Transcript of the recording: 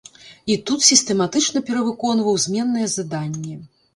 І тут сістэматычна перавыконваў зменныя заданні.